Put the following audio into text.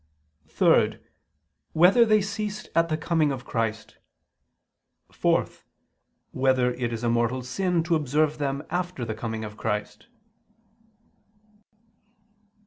(3) Whether they ceased at the coming of Christ? (4) Whether it is a mortal sin to observe them after the coming of Christ?